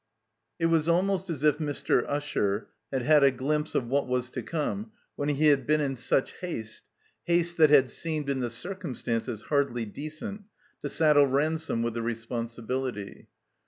It was almost as if Mr. Usher had had a glimpse of what was to come when he had been in such haste, haste that had seemed in the circumstances hardly decent, to saddle Ransome with the responsibility.